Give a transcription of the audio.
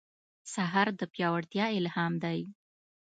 سهار د پیاوړتیا الهام دی.